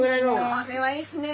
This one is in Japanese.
これはいいですね。